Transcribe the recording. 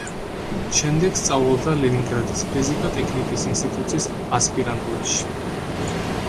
შემდეგ სწავლობდა ლენინგრადის ფიზიკა-ტექნიკის ინსტიტუტის ასპირანტურაში.